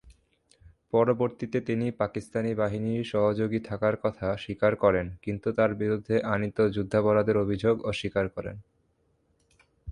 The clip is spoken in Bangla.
পরবর্তীতে তিনি পাকিস্তানি বাহিনীর সহযোগী থাকার কথা স্বীকার করেন কিন্তু তার বিরুদ্ধে আনীত যুদ্ধাপরাধের অভিযোগ অস্বীকার করেন।